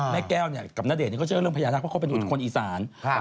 แม่แก้วกับณเดชนเขาเชื่อเรื่องพญานาคเพราะเขาเป็นคนอีสาน